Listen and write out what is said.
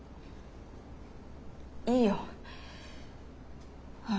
いいよ。